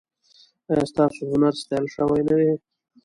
ایا ستاسو هنر ستایل شوی نه دی؟